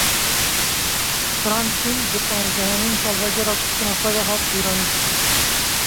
Hrant Dînk di panzdehemîn salvegera kuştina xwe de hat bîranîn.